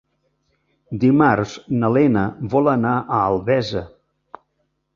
Dimarts na Lena vol anar a Albesa.